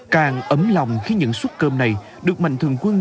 càng ấm lòng khi những suất cơm này được mạnh thường quân